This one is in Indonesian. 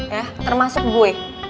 ya termasuk gue